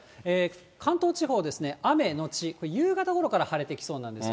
関東地方ですね、雨後、夕方ごろから晴れてきそうなんですよ。